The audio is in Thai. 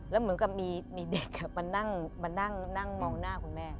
แล้วเหมือนกับมีมีเด็กอ่ะมานั่งมานั่งนั่งมองหน้าคุณแม่